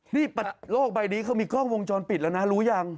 นี่โลกใบนี้เขามีกล้องวงจรปิดแล้วนะรู้ยัง